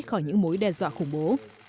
khỏi những mối đe dọa khủng bố